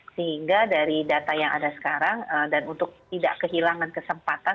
sehingga dari data yang ada sekarang dan untuk tidak kehilangan kesempatan